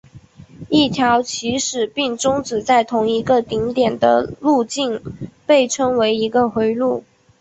一条起始并终止在同一个顶点的路径被称为一个回路。